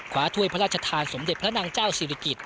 ถ้วยพระราชทานสมเด็จพระนางเจ้าศิริกิจ